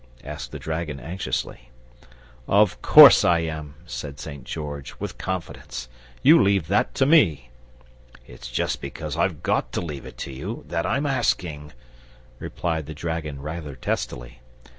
asked the dragon, anxiously. "Of course I am," said St. George, with confidence. "You leave that to me!" "It's just because I've GOT to leave it to you that I'm asking," replied the dragon, rather testily.